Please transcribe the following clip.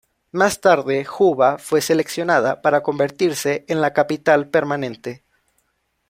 Más Tarde, Juba fue seleccionada para convertirse en la capital permanente.